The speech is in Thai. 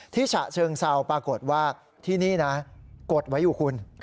ฉะเชิงเซาปรากฏว่าที่นี่นะกดไว้อยู่คุณ